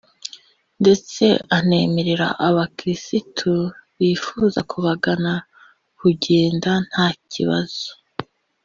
ndetse anemerera abakirisitu bifuza kubagana kugenda nta kibazo